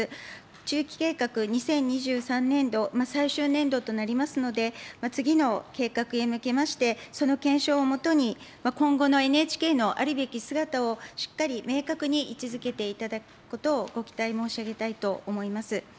中期計画２０２３年度、最終年度となりますので、次の計画へ向けまして、その検証をもとに、今後のＮＨＫのあるべき姿をしっかり明確に位置づけていただくことをご期待申し上げたいと思います。